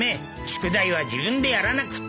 宿題は自分でやらなくっちゃ。